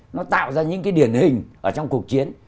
nó tạo ra những cái điển hình ở trong cuộc chiến